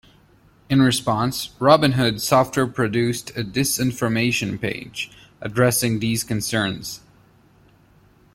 In response, Robin Hood Software produced a "dis-information page" addressing these concerns.